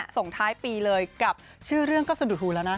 ส่งท้ายปีเลยกับชื่อเรื่องก็สะดุดหูแล้วนะ